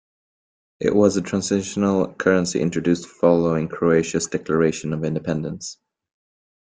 It was a transitional currency introduced following Croatia's declaration of independence.